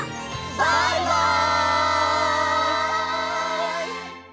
バイバイ！